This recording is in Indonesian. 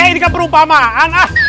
eh ini kan perumpamaan